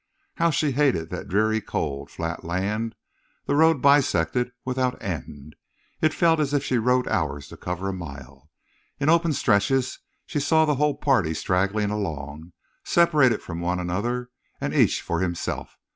How she hated that dreary, cold, flat land the road bisected without end. It felt as if she rode hours to cover a mile. In open stretches she saw the whole party straggling along, separated from one another, and each for himself.